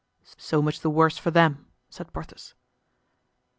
"So much the worse for them," said Porthos.